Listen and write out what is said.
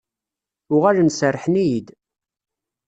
Uɣalen serrḥen-iyi-d.